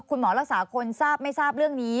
คุณหมอรักษาคนทราบไม่ทราบเรื่องนี้